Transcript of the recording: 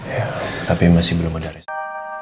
ya tapi masih belum ada respon